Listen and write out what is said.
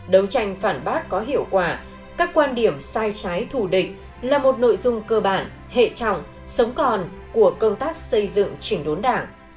đấu tranh phản bác có hiệu quả các quan điểm sai trái thù địch là một nội dung cơ bản hệ trọng sống còn của công tác xây dựng chỉnh đốn đảng